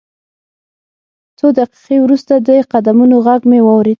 څو دقیقې وروسته د قدمونو غږ مې واورېد